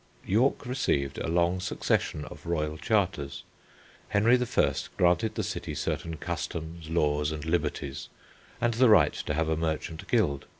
York received a long succession of royal charters. Henry I. granted the city certain customs, laws and liberties, and the right to have a merchant guild.